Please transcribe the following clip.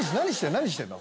何してんの？